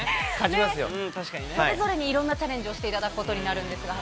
それぞれに、いろんなチャレンジをしていただくことになるんですが。